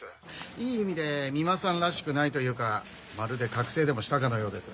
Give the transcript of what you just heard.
いい意味で三馬さんらしくないというかまるで覚醒でもしたかのようです。